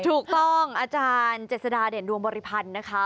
ถูกต้องอาจารย์เจ็ดสดาเด่นดวงบริพันธ์นะคะ